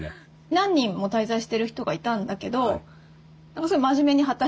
何人も滞在してる人がいたんだけどすごい真面目に働いててその中で。